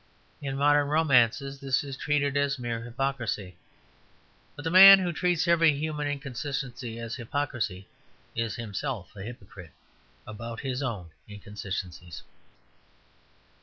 In modern romances this is treated as a mere hypocrisy; but the man who treats every human inconsistency as a hypocrisy is himself a hypocrite about his own inconsistencies.